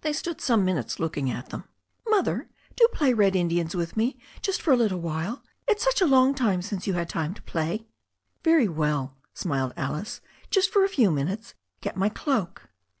They stood some minutes looking up at them. "Mother, do play Red Indians with me, just for a little while. It's such a long time since you had time to play." "Very well," smiled Alice, "just for a few minutes. Get my cloak."